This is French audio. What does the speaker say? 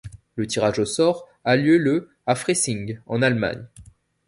Le tirage au sort a lieu le à Freising en Allemagne.